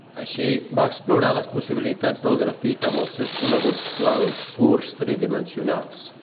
Així, va explorar les possibilitats del grafit amb els seus coneguts clarobscurs tridimensionals.